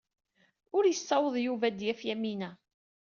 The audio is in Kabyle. Ur yessaweḍ Yuba ad d-yaf Yamina.